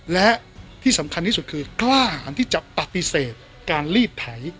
และที่สำคัญที่สุดคือกล้าหารที่จะปฏิเสธการลีดไถ